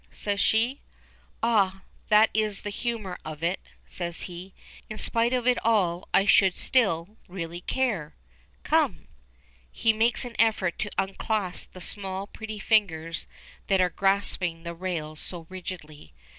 says she. "Ah! That is the humor of it," says he. "In spite of all I should still really care. Come." He makes an effort to unclasp the small, pretty fingers that are grasping the rails so rigidly.